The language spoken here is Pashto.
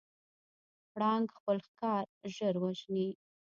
پړانګ خپل ښکار ژر وژني.